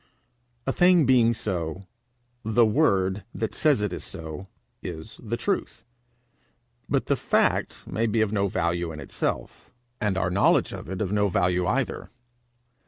A thing being so, the word that says it is so, is the truth. But the fact may be of no value in itself, and our knowledge of it of no value either.